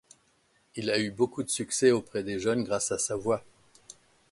Il a eu beaucoup de succès auprès des jeunes grâce à sa voix.